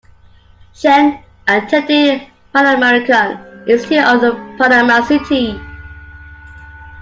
Chen attended Panamerican Institute in Panama City.